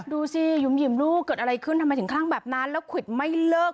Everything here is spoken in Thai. ดูสิหยุ่มหิมลูกเกิดอะไรขึ้นทำไมถึงคลั่งแบบนั้นแล้วควิดไม่เลิก